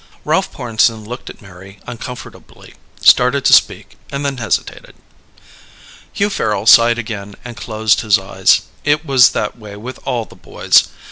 Ralph Pornsen looked at Mary uncomfortably, started to speak and then hesitated. Hugh Farrel sighed again and closed his eyes. It was that way with all the boys.